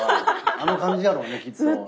あの感じやろねきっと。